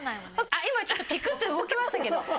今ちょっとぴくっと動きましたけど。